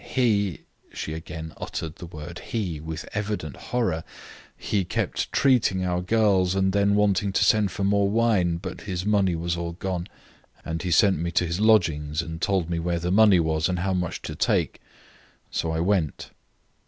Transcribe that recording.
He" she again uttered the word he with evident horror "he kept treating our girls, and then wanted to send for more wine, but his money was all gone, and he sent me to his lodgings and told me where the money was, and how much to take. So I went."